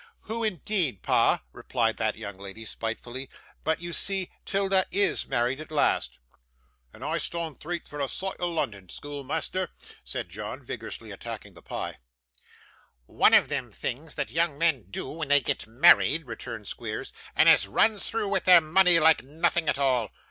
'Who, indeed, pa!' replied that young lady, spitefully. 'But you see 'Tilda IS married at last.' 'And I stond threat for a soight o' Lunnun, schoolmeasther,' said John, vigorously attacking the pie. 'One of them things that young men do when they get married,' returned Squeers; 'and as runs through with their money like nothing at all!